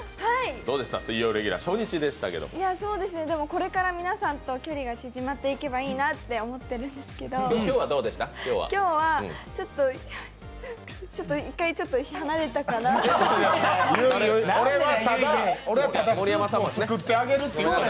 これから皆さんと距離が縮まっていけばいいなと思ってるんですけど今日は、一回ちょっと離れたかなと。